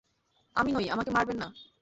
আমি নই, আমাকে মারবেন না।